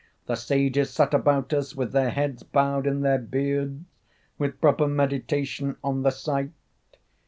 The sages sat about us With their heads bowed in their beards, With proper meditation on the sight.